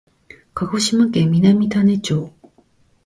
鹿児島県南種子町